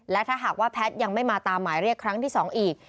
และถ้าหากว่าแพทย์ยังไม่มาตามหมายเรียกครั้งที่๒อีก